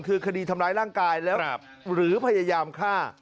คือคดีทำร้ายร่างกายแล้วหรือพยายามฆ่า